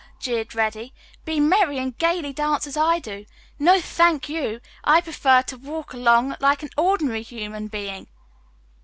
jeered Reddy. "'Be merry, and gayly dance as I do.' No, thank you. I prefer to walk along like an ordinary human being."